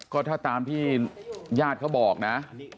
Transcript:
ก็ถ้าตามที่ญาติเขาบอกนะ